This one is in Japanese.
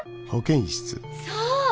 そう！